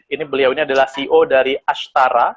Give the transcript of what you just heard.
ini beliau ini adalah ceo dari ashtara